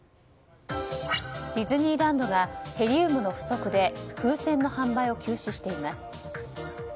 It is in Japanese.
ディズニーランドがヘリウムの不足で風船の販売を休止しています。